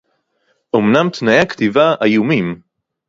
אָמְנָם תְּנָאֵי הַכְּתִיבָה אֲיֻמִּים.